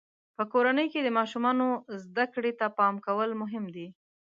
په کورنۍ کې د ماشومانو زده کړې ته پام کول مهم دي.